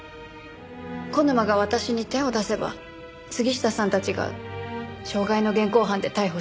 小沼が私に手を出せば杉下さんたちが傷害の現行犯で逮捕してくれる。